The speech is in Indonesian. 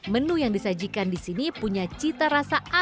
menu yang disajikan di sini punya cita rasanya